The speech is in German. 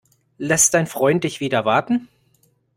Lässt dein Freund dich wieder warten?